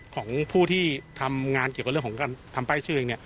ของผู้ที่ทำงานเกี่ยวกับเรื่องของการทำป้ายชื่อเอง